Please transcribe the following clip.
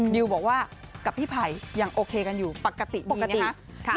ดิวบอกว่ากับพี่ไพยยังโอเคกันอยู่ปกติดีนะฮะ